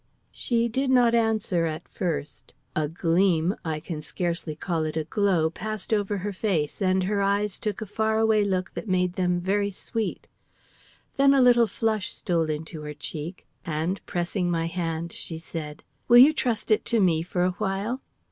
She did not answer at first. A gleam I can scarcely call it a glow passed over her face, and her eyes took a far away look that made them very sweet. Then a little flush stole into her cheek, and, pressing my hand, she said: "Will you trust it to me for a while?"